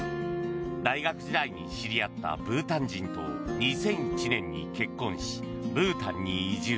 大学時代に知り合ったブータン人と２００１年に結婚しブータンに移住。